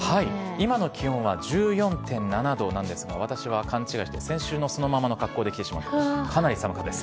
今の気温は１４．７度なんですが、私は勘違いして、先週のそのままの格好で来てしまいまして、かなり寒かったです。